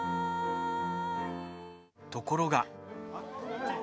ところが。